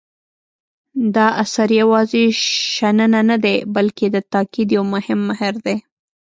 دا اثر یوازې شننه نه دی بلکې د تاکید یو مهم مهر دی.